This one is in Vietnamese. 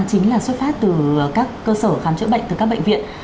chính là xuất phát từ các cơ sở khám chữa bệnh từ các bệnh viện